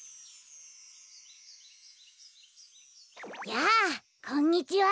やあこんにちは。